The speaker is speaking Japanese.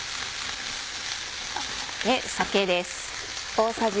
酒です。